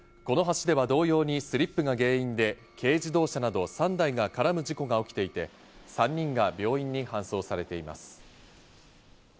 この橋では同様にスリップが原因で軽自動車など３台が絡む事故が起きていて、３人が病院に搬送されています。